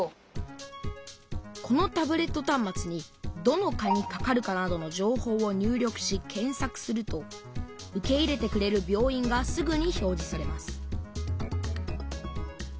このタブレットたん末にどの科にかかるかなどの情報を入力し検さくすると受け入れてくれる病院がすぐに表じされます